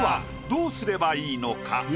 どうすればいいのか？